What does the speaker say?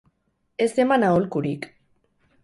Ez eman aholkurik.